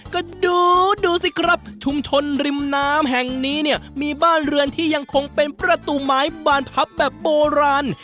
ก็ดูดูสิครับชุมชนริมน้ำแห่งนี้เนี่ยมีบ้านเรือนที่ยังคงเป็นประตูไม้บานพับแบบโบราณ